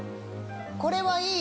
これはいい！